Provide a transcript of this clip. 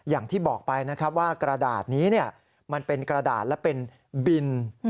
อย่างที่บอกไปนะครับว่ากระดาษนี้มันเป็นกระดาษและเป็นบิน